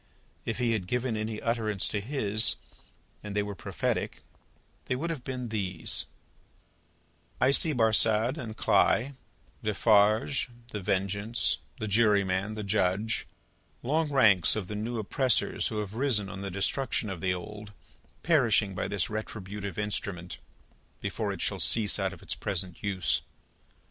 If he had given any utterance to his, and they were prophetic, they would have been these: "I see Barsad, and Cly, Defarge, The Vengeance, the Juryman, the Judge, long ranks of the new oppressors who have risen on the destruction of the old, perishing by this retributive instrument, before it shall cease out of its present use.